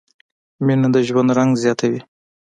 مینه د ژوند رنګ زیاتوي.